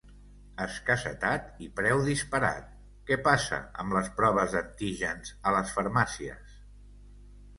Escassetat i preu disparat: què passa amb les proves d’antígens a les farmàcies?